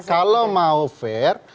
kalau mau fair